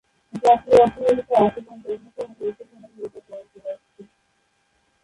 জাতীয় অর্থনীতিতে আশুগঞ্জ অন্যতম গুরুত্বপূর্ণ ভূমিকা পালন করে আসছে।